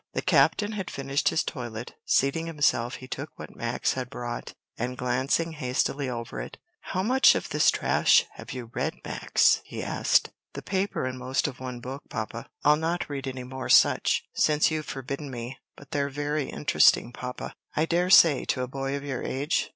The captain had finished his toilet. Seating himself he took what Max had brought, and glancing hastily over it, "How much of this trash have you read, Max?" he asked. "The paper and most of one book, papa. I'll not read any more such, since you've forbidden me; but they're very interesting, papa." "I dare say, to a boy of your age.